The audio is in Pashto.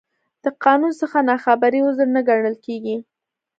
د قانون څخه نا خبري، عذر نه ګڼل کېږي.